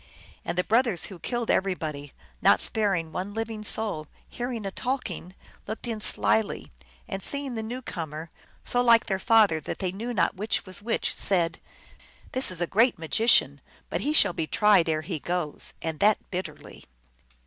And the brothers, who killed everybody, not sparing one living soul, hearing a talk ing, looked in slyly, and seeing the new comer, so like their father that they knew not which was which, said, " This is a great magician. But he shall be tried ere he goes, and that bitterly."